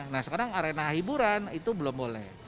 nah sekarang arena hiburan itu belum boleh